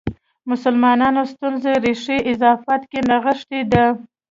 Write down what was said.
مسلمانانو ستونزو ریښه اضافات کې نغښې ده.